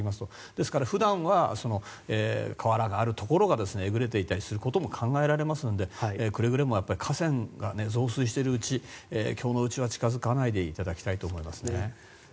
ですから普段は河原のあるところがえぐれていたりすることも考えられますのでくれぐれも、河川が増水している今日のうちは近づかないでいただきたいと思いますね。